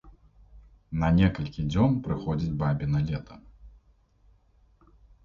На некалькі дзён прыходзіць бабіна лета.